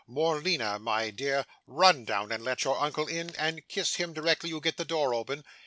'Morleena, my dear, run down and let your uncle in, and kiss him directly you get the door open.